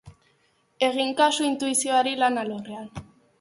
Egin kasu intuizioari lan alorrean.